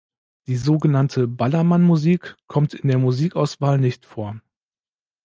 Die sogenannte Ballermann-Musik kommt in der Musikauswahl nicht vor.